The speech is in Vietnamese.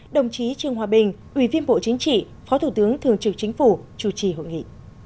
đồng chí trương hòa bình ủy viên bộ chính trị phó thủ tướng thường trực chính phủ chủ trì hội nghị